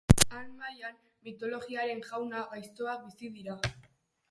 Han maia mitologiaren jaun gaiztoak bizi dira.